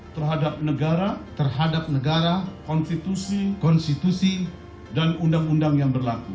terhadap negara terhadap negara konstitusi konstitusi dan undang undang yang berlaku